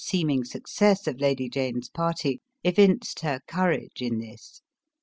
285 , seeming success of Lady Jane's party, evinced her courage in this.